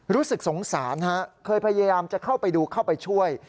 รู้สึกสงสารฮะเคยพยายามจะเข้าไปดูเข้าไปช่วย